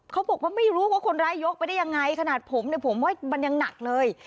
เขาบอกว่าไม่รู้ว่าคนร้ายยกไปได้ยังไงขนาดผมเนี่ยผมว่ามันยังหนักเลย